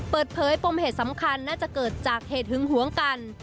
ปมเหตุสำคัญน่าจะเกิดจากเหตุหึงหวงกัน